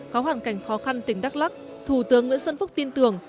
có hoàn cảnh khó khăn tỉnh đắk lắc thủ tướng nguyễn xuân phúc tin tưởng